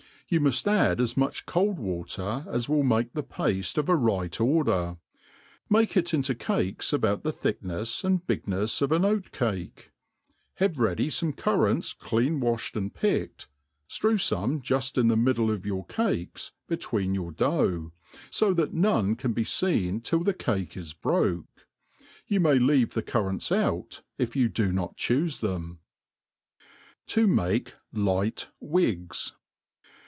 Yoa muft add as much cold watej as will make the pafte of a right order: make it into cakes about the tbickoefs and bignefs of an oat cake : have ready fame currants clean waihed and pick ed, ftrew fome juft in the middle of your cakes between your dough, fo that none can be feen till the cake is broke. Yea may leave the currants out, if you do not chufe them. To mate light Wigs.